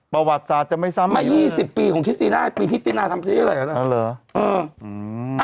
ประวัติศาสตร์จะไม่ซ้ำอีกไม่๒๐ปีของทิศตินาปีทิศตินาทำสิ่งอะไรกันนะ